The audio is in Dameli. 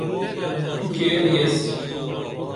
تو کیر یس؟